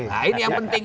nah ini yang penting